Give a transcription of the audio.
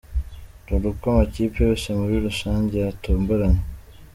Dore uko amakipe yose muri rusange yatomboranye.